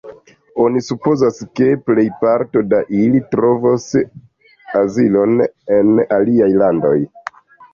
Oni supozas, ke plejparto da ili trovos azilon en aliaj landoj.